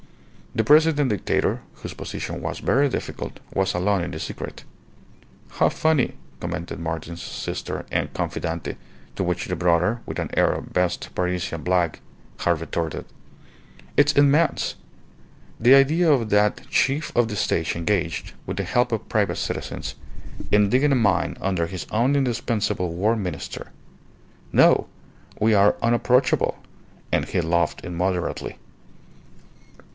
The President Dictator, whose position was very difficult, was alone in the secret. "How funny!" commented Martin's sister and confidante; to which the brother, with an air of best Parisian blague, had retorted: "It's immense! The idea of that Chief of the State engaged, with the help of private citizens, in digging a mine under his own indispensable War Minister. No! We are unapproachable!" And he laughed immoderately.